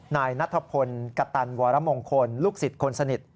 นายนัทพลกตันวรมงคลลูกศิษย์คนสนิท